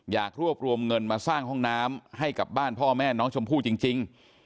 อยากรวบรวมเงินมาสร้างห้องน้ำให้กับบ้านพ่อแม่น้องชมพู่จริง